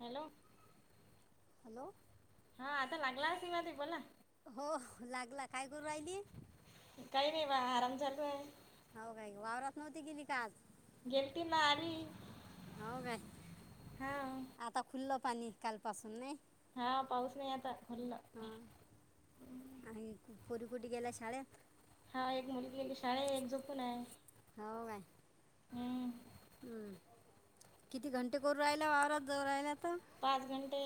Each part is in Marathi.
हॅलो, हॅलो हा आता लागला [unintelligible] बोला. हो लागला काय करून राहिली. काही नाही बा आराम चालूये. हौ का वावरात नव्हती गेली. का आज, गेलंती ना आली. हौ काय, हा आता खुल्लं पाणी कालपासून नयी. हा पाऊस नाही आता खुलं, पुरीपुरी गेल्या शाळेत. हा एक मुलगी गेली शाळेत, एक झोपून आहे. हौ काय, हम्म. हम्म, किती घंटे करू राहिल्या आवारात जाऊन राहिलात. पाच घंटे,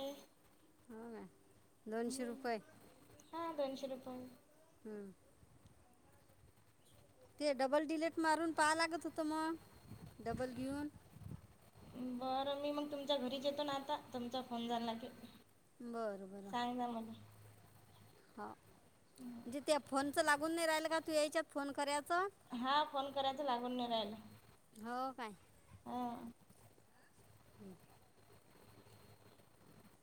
होय दोनशे हम्म. रुपये, हा दोनशे रुपये, हम्म. ते डबल डिलेट मारून पहां लागत होतं मग, डबल घेऊन. बरं मी मग तुमच्या घरीच येतोना. आता तुमचा फोन झाला की, बरं बरं, सांगा मला हो, म्हणजे त्या फोनचं लागून नाही, राहिल का तू यायच्यात आत फोन कऱ्याव. हा, फोन करायचा लागून नाही राहिला. हो काय हम, हम्म,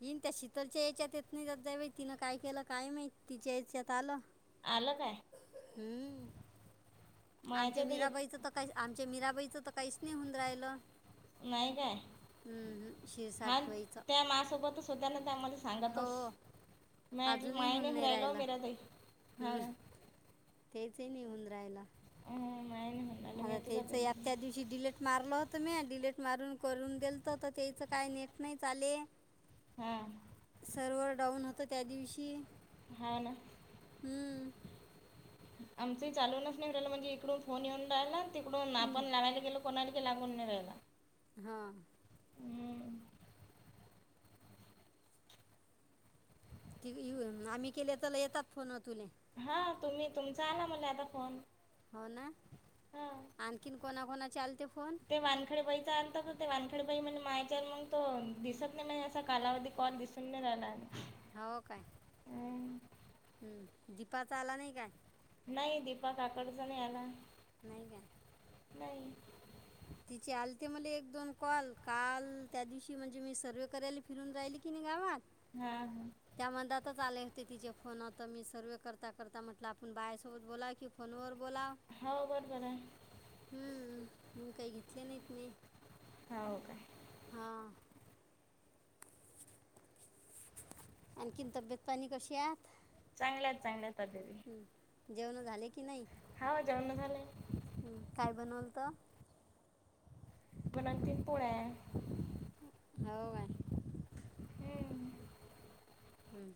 इन त्या शितलच्या याच्यात येत नाही जा, तिनं काय केलं काय माहित, तिच्या याच्यात आलं, आलं काय? हम्म, मग आमच्या याच्यात मीराबाईचं येत तर काही,, आमच्या मीराबाईचंऽऽ काहीच नाही होऊन राहिलं. नाही काय? हम्म. हा शिरसाटबाईचं त्या मासोबत होतना त्या मलाऽ सांगा तोच, हो मेटलं अजूनही होऊन मायेने फ नाही रायला राहिलं मीरा हा, तेच नाही ऊंद रायला. माय नाही हरला मी आता तेच, जातो आ त्या दिवशी डिलेट मारलो,, मी डिलेट मारून करून देल तर तर त्याचं काय नेट नाही चाले. हा सर्वर डाऊन होत त्या दिवशी. हा, ना, हम्म. आमच चालूनच नाहीलं म्हणजे, इकडून फोन येऊन राहिला तिकडून हम्म. आपण लावायला गेलोऽऽ कोणाल के लागून नाही राहिला. हा, हम्म. त आम्ही केले तर ला येतात फोन तुले,, ह तुम्ही, तुमचा आला मला आता फोन. हो ना हा, आणखीन कोणाकोणाचे आलते फोन ते मानखडे बैचाऽ वानखेडबाई म्हणजे मायचर मग तो, दिसत नाही म्हणे असा कालावधी कॉल, दिसून नाही राहिलाऽ हो, काय? हम्म, दीपाचा आला नाही काय? नाही दीपक काकडचा नाही आला. नाहीय का? नाही, तिचे आलते मला एक दोन कॉल, काल त्या दिवशी म्हणजे मी सर्वे करायला फिरून राहिलीऽ किन गावात, हां हां त्यामध्ये आता लेऽ तिचे फोन आत मी सर्वे करता, करता म्हटलं, आपण बायसोबत बोलाय की फोनवर,, बोला, हो बरोबर आहे हम्म,, मग काही घेतले नाहीत मी. होा हो, काय? हा, आणखी तब्येत पाणी कशी आहे? चांगल्यात, चांगल्यात दिदी. जेवण झाले? की नाही हाव जेऊना झालंयऽ हं. काय बनवलत? म्हणून तन पोळ्याऽ हो काय? हम्म, हम्,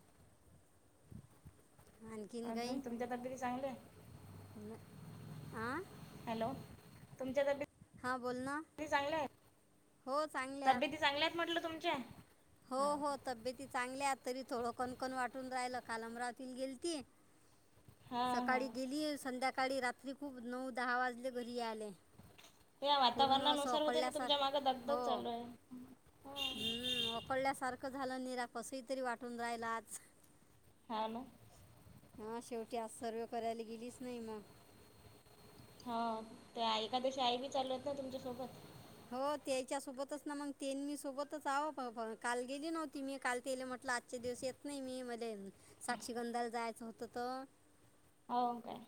अजून तुमच्यात तरी चांगलेऽ आ, हॅलो,, हां बोल ना तुमच्यातबऽ चांगले आहेत,, हो चांगले आहात तब्येत चांगल्या आहेत म्हटलं तुमच्या. हो, हा हो, तब्येती चांगल्याऽ तरी थोडं कणकण वाटून राहिल काल अमरावतीला गेल ती. हा हा सकाळी गेली, संध्याकाळी रात्री खूप नऊ, दहा वाजले घरी याले. या वातावरणानुसार होते ना, तुमच्या मागे हो धगधग चालू आह. हम्म,, कळल्यासारखं झालं निीरा कसही तरी वाटून राहिल आच. हा ना हा शेवटी आज सर्व करायला गेलीच नाही मग हा ते एकादशी आई मी चालूत ना तुमच्यासोबत हो त्याच्या सोबतच ना मग तेी सोबतच आवं काल गेली नव्हती मी काल तेले म्ह आजचे दिवस येत नाही मी मज साक्षीगंधाल जायचं होत त होओ काय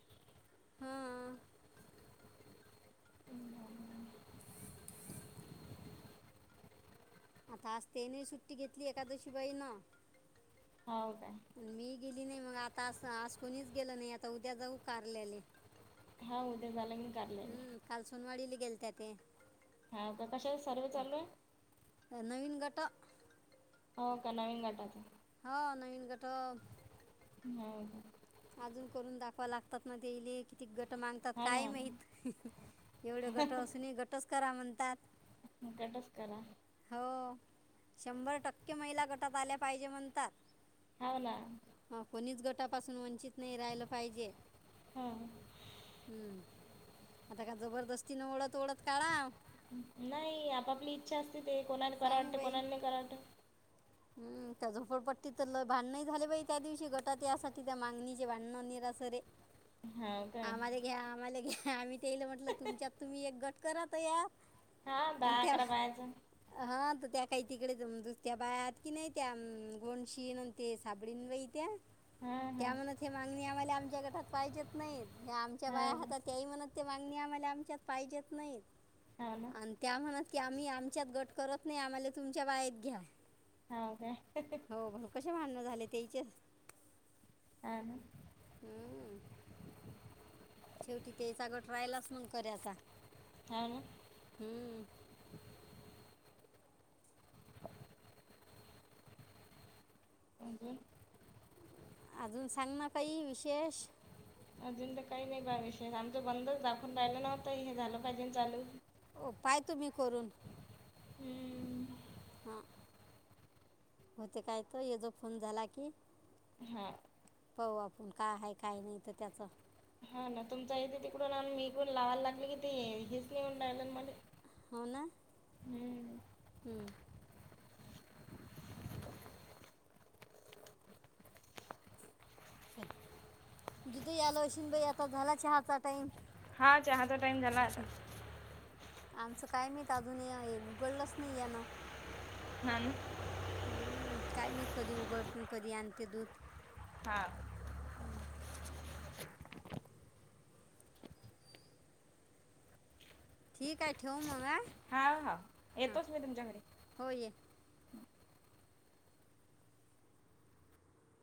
ह आता आजतेने सुट्टी घेतली एखकादशी बाई ना होा का गेली नाही मग आता आज कोणीच गेल नाही आता उद्या जाऊ कारलेले हा होद्या झालं क हम्म काल सनवाडीली गेलत ते हा का कशा सर्व चालू आहे नवीन काटा हो का नवीन गाटाात हा नवीन कटक होा अजून करून दाखवा लागतात म ते किती गट मागतात हो ना काय माहत एवढे गट असून गटच करा म्हणतात काडस् करा हो शंभर टक्के महिला गटात आल्या पाहिजे म्हणतात हाव ना हा कोणीच गटापासून म्ह नाही राहिलं पाहिजे हा हम् आता का जबरदस्तीने ओत ओढत काढा नाही आपापली इच्छा असते ते कोणाला कराव वाटत कोणाला नाही कराव वाटत हम् त्या झोपडपट्टी तर भांडण झाले बा त्या दिवशी गटात यासाठी त्या मागणीचे भांडण निरा दसर हाव काय आम्हाला घ्या आम्हाला घ्या आम्ही ते येल म्हंटलं तुमच्यात तुम्ही एक गट करात या हा अ दहा त्या अकरा बायाचं हा त्या काही तिकडे दुसत्या बायाात की नाही त्या गोनशी न ते साबळीं बाई त्या हा हा त्या म्हणत हे मागणी आम्हाला आमच्या गटात पाहिजेत नाहीत आमच्या बाया हाव हात काय त्याही म्हणत मागणी आम्हाला आमच्यात पाहिजेत नाहीत हाव ना आणि त्या म्हणत की आम्ही आमच्यात गट करत नाही आम्हाला तुमच्या बायेत घ्या हाव काय हो भा कसे भांडण झाले तेचेच हा हम्म शेवटी तेचागं ट रायलाच मण करायचा हाव ना हम्म अजून अजून सांग ना काही विशेष अजून तर काही नाही बा विशेष आमच बंदच दाखवून राहिलं नव्हतं हे झालं काही दिन चालू हो पाय तुम्ही करून हम्म हा होते काय त या जो फोन झाला की हा पाह आपण का आहे काय नाही तर त्याच हा ना तुमच इथे तिकडून निघून लावायला लागले कि ते हेच लिहून राहिल म हो ना दुध आलो अशन बाई आता झाला चहाचा टाईम हा चहाचा टाइम झाला आता आमचं काय मित्र अजूनही आहे उघडलंच नाही आहे ना अम हम् काय मी कधी उघडते कधी आणते दूध हा ठीक आहे ठेव मग हा हा हां येतोच मी तुमच्या घरी हो ये